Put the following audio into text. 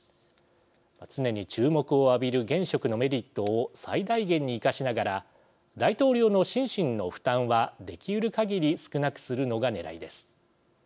常に注目を浴びる現職のメリットを最大限に生かしながら大統領の心身の負担は出来るかぎり少なくするのがねらいです。